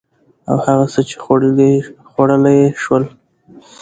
او هغه څه چې خوړلي يې شول